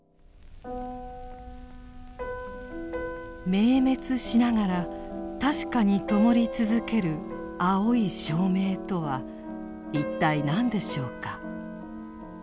「明滅しながらたしかにともりつづける青い照明」とは一体何でしょうか。